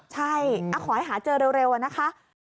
ใช่ขอให้หาเจอเร็วนะคะ